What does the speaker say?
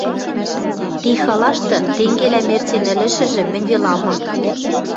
Ти халашты тенгелӓ мерцен ӹлӹшӹжӹ мӹнь веле ам ыл.